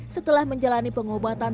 setelah menjalani pengobatan